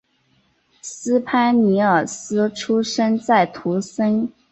斯潘尼尔斯出生在图森。